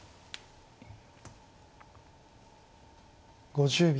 ５０秒。